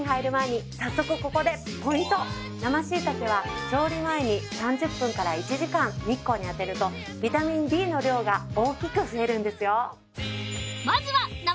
生しいたけは調理前に３０分から１時間日光に当てるとビタミンＤの量が大きく増えるんですよ。